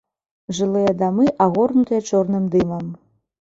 Жылыя дамы агорнутыя чорным дымам.